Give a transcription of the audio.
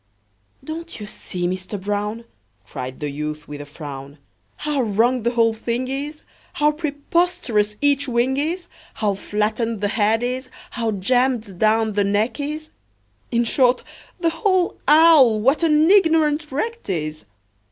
"Don't you see, Mister Brown," Cried the youth, with a frown, "How wrong the whole thing is, How preposterous each wing is, How flattened the head is, how jammed down the neck is In short, the whole owl, what an ignorant wreck 't is!